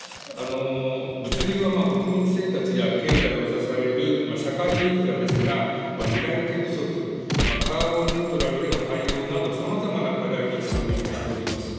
物流は国民生活や経済を支える社会インフラですが、担い手不足、カーボンニュートラルへの対応など、さまざまな課題に直面をしております。